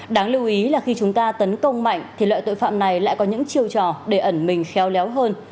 đáng lưu ý là khi chúng ta tấn công mạnh thì loại tội phạm này lại có những chiều trò để ẩn mình khéo léo hơn